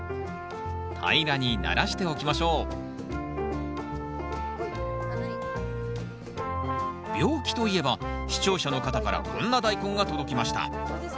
平らにならしておきましょう病気といえば視聴者の方からこんなダイコンが届きました。